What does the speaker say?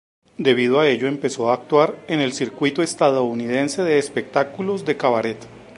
Debido a ello, empezó a actuar en el circuito estadounidense de espectáculos de cabaret.